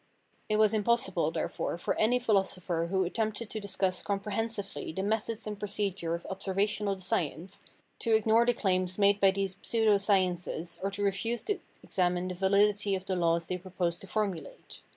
It was impossible therefore for any philosopher who attempted to discuss comprehensively the methods and procedure of observational science to ignore the claims made by these pseudo sciences or to refuse to examine the validity of the laws they proposed to formulate.